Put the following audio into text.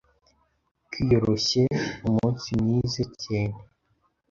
kwiyoroshye, umunsi mwize cyene